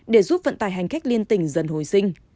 để giúp vận tải hành khách liên tỉnh dần hồi sinh